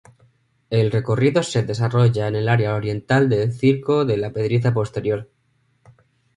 El recorrido se desarrolla en el área oriental del Circo de la Pedriza Posterior.